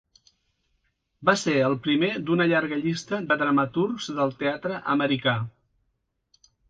Va ser el primer d'una llarga llista de dramaturgs del teatre americà.